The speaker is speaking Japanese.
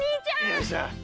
よいしょ。